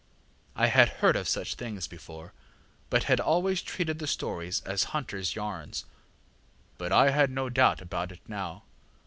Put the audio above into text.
I had heard of such a thing before, but had always treated the stories as huntersŌĆÖ yarns; but I had no doubt about it now.